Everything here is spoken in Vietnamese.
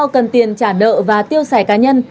do cần tiền trả nợ và tiêu sẻ cá nhân